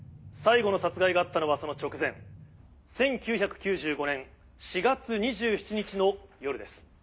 最後の殺害があったのはその直前１９９５年４月２７日の夜です。